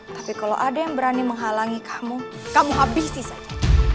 tapi kalau ada yang berani menghalangi kamu kamu habisi saja